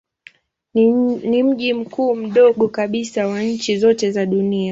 Ni mji mkuu mdogo kabisa wa nchi zote za dunia.